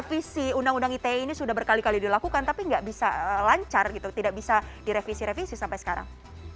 revisi undang undang ite ini sudah berkali kali dilakukan tapi nggak bisa lancar gitu tidak bisa direvisi revisi sampai sekarang